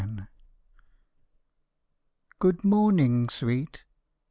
SONG Good morning, sweet!